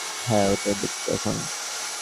হ্যাঁ, ওটাই দেখছি এখন।